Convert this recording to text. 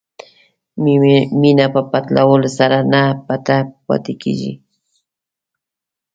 مینه په پټولو سره نه پټه پاتې کېږي.